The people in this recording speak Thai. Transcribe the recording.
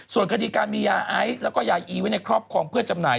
ส่วนคดีการมียาไอซ์แล้วก็ยาอีไว้ในครอบครองเพื่อจำหน่าย